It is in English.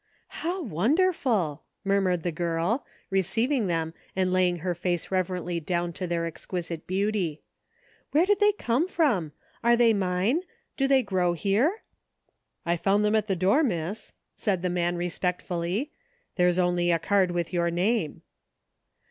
" How wonderful !*' murmured the girl, receiving them and laying her face reverently down to tiidr exquisite beauty. " Where did they come from? Are they mine? Do they grow here? "" I found them at the door, Miss," said the man respectfully. " There's only a card with your name."